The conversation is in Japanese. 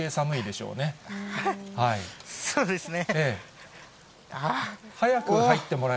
そうですね。